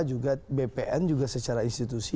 juga bpn juga secara institusi